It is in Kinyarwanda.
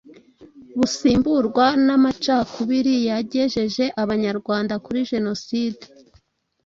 busimburwa n’amacakubiri yagejeje Abanyarwanda kuri jenoside.